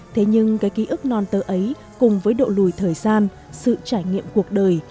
thế nhưng cái ký ức non tơ ấy cùng với độ lùi thời gian sự trải nghiệm cuộc đời